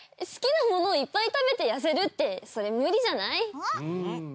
好きなものをいっぱい食べて痩せるってそれ無理じゃない？